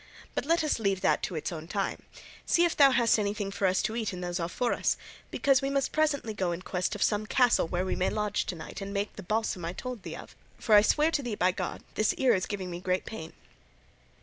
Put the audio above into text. But let us leave that to its own time; see if thou hast anything for us to eat in those alforjas, because we must presently go in quest of some castle where we may lodge to night and make the balsam I told thee of, for I swear to thee by God, this ear is giving me great pain."